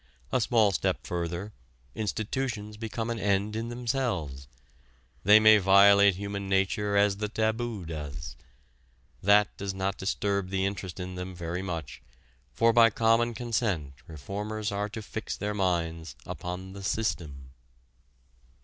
A small step further, institutions become an end in themselves. They may violate human nature as the taboo does. That does not disturb the interest in them very much, for by common consent reformers are to fix their minds upon the "system."